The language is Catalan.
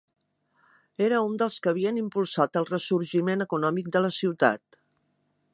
Era un dels que havien impulsat el ressorgiment econòmic de la ciutat.